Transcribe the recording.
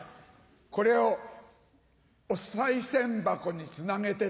これをおさい銭箱につなげてと。